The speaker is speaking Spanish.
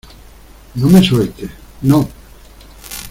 no me sueltes. no .